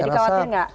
jadi khawatir gak